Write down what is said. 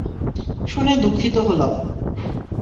শুনে দুঃখিত হলাম।